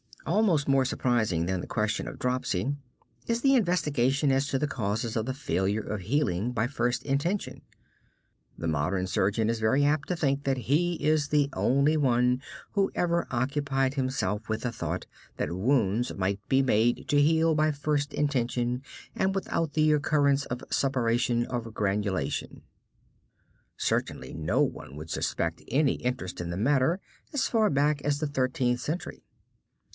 Almost more surprising than the question of dropsy is the investigation as to the causes of the failure of healing by first intention. The modern surgeon is very apt to think that he is the only one who ever occupied himself with the thought, that wounds might be made to heal by first intention and without the occurrence of suppuration or granulation. Certainly no one would suspect any interest in the matter as far back as the Thirteenth Century.